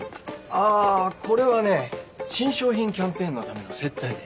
あぁこれはね新商品キャンペーンのための接待で。